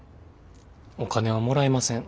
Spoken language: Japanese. お金はもらいません。